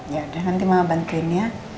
yaudah nanti mama bantuin ya